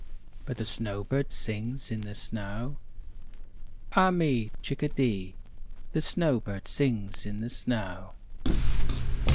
But the snow bird sings in the snow. Ah me !^ Chickadee ! The snow bird sings in the snow